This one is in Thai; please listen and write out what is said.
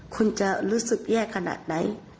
คุณจะรู้สึกแย่ขนาดไหน